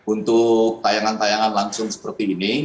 untuk tayangan tayangan langsung seperti ini